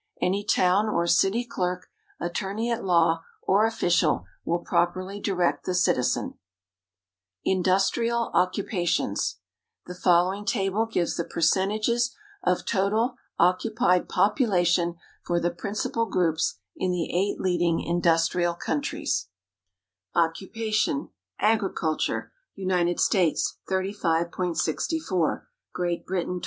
Any town or city clerk, attorney at law, or official will properly direct the citizen. Industrial Occupations The following table gives the percentages of total occupied population for the principal groups in the eight leading industrial countries: United Great Occupation States Britain France Germany Agriculture 35.64 12.00 41.